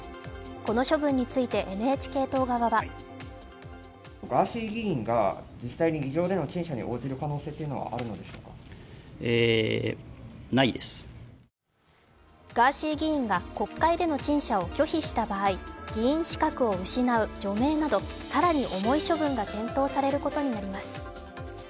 この処分についてＮＨＫ党側はガーシー議員が国会での陳謝を拒否した場合議員資格を失う除名など更に重い処分が検討されることになります。